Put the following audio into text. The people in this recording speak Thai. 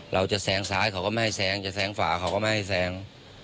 เราจะแสงซ้ายเขาก็ไม่ให้แสงจะแสงฝ่าเขาก็ไม่ให้แสง